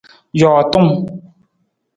Jootung.